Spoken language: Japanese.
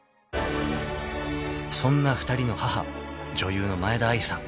［そんな２人の母女優の前田愛さん］